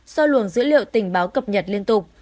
do luồng dữ liệu tình báo cập nhật liên tục